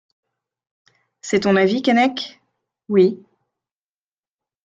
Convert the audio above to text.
C'est ton avis, Keinec ? Oui.